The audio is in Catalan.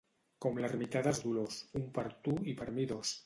Com l'ermità dels Dolors, un per tu i per mi dos.